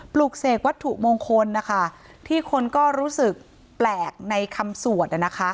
ปลูกเสกวัตถุมงคลนะคะที่คนก็รู้สึกแปลกในคำสวด